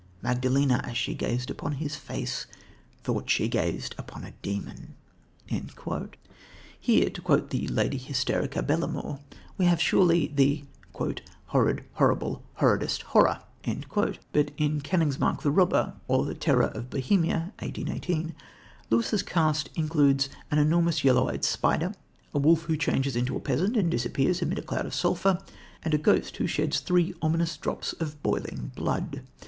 Magdalena, as she gazed upon his face, thought that she gazed upon a demon." Here, to quote the Lady Hysterica Belamour, we have surely the "horrid, horrible, horridest horror." But in Königsmark the Robber, or The Terror of Bohemia (1818), Lewis's caste includes an enormous yellow eyed spider, a wolf who changes into a peasant and disappears amid a cloud of sulphur, and a ghost who sheds three ominous drops of boiling blood.